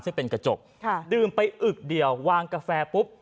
ซึ่งเป็นกระจกค่ะดื่มไปอึกเดียววางกาแฟปุ๊บ